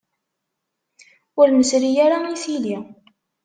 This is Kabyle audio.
Ur nesri ara isili.